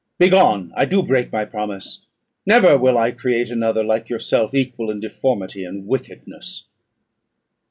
"Begone! I do break my promise; never will I create another like yourself, equal in deformity and wickedness."